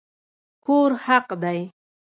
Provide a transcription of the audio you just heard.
کور حق دی